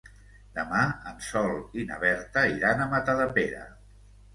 Demà en Sol i na Berta iran a Matadepera.